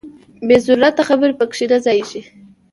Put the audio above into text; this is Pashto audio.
بې ضرورته خبرې پکې نه ځاییږي.